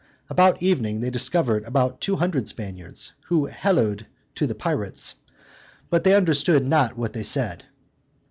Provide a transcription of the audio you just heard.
About evening they discovered about two hundred Spaniards, who hallooed to the pirates, but they understood not what they said.